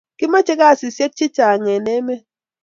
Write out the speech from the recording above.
kimache kasisishek che chang en emet